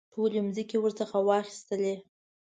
ټولې مځکې ورڅخه واخیستلې.